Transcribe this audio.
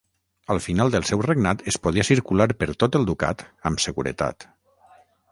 Al final del seu regnat es podia circular per tot el ducat amb seguretat.